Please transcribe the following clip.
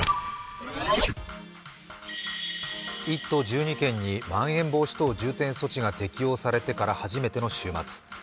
１都１２県にまん延防止等重点措置が適用されてから初めての週末。